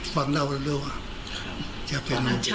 ฟังเราเร็วจะเป็นลม